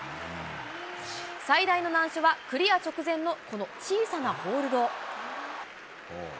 最大の難所はクリア直前の、この小さなホールド。